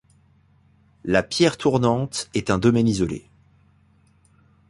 La Pierre tournante est un dolmen isolé.